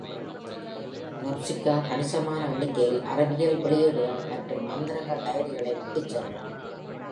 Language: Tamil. Nopsca கணிசமான எண்ணிக்கையில் அறிவியல் வெளியீடுகள் மற்றும் அந்தரங்க டைரிகளை விட்டுச் சென்றாள்.